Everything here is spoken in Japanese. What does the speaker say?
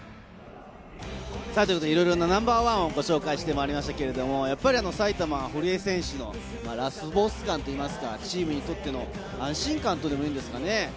いろいろなナンバーワンをご紹介してまいりましたけれども、やっぱり、埼玉・堀江選手のラスボス感といいますか、チームにとっての安心感というんですかね？